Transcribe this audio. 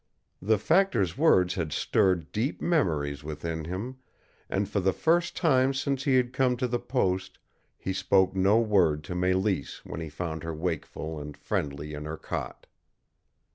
The factor's words had stirred deep memories within him, and for the first time since he had come to the post he spoke no word to Mélisse when he found her wakeful and friendly in her cot.